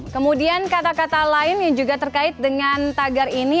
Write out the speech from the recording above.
kemudian kata kata lain yang juga terkait dengan tagar ini